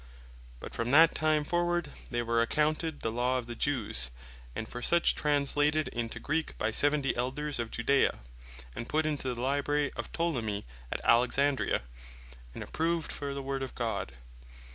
But from that time forward they were accounted the Law of the Jews, and for such translated into Greek by Seventy Elders of Judaea, and put into the Library of Ptolemy at Alexandria, and approved for the Word of God.